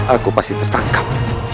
aku pasti tertangkap